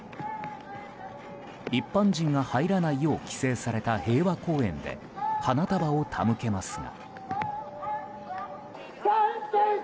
一般人が入らないよう規制された平和公園で花束を手向けますが。